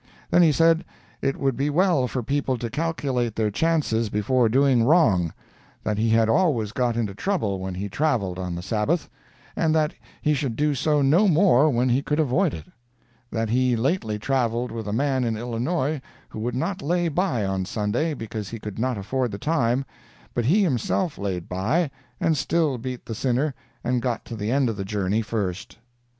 Then he said it would be well for people to calculate their chances before doing wrong; that he had always got into trouble when he travelled on the Sabbath, and that he should do so no more when he could avoid it; that he lately travelled with a man in Illinois who would not lay by on Sunday because he could not afford the time, but he himself laid by and still beat the sinner and got to the end of the journey first.